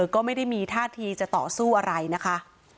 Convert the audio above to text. ก็ไม่ได้มีท่าทีจะต่อสู้อะไรนะคะ